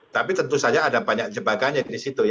tapi tentu saja ada banyak jebakannya di situ ya